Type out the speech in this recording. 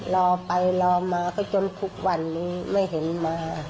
รอไปรอมาก็จนทุกวันนี้ไม่เห็นมา